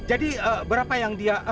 jadi berapa yang dia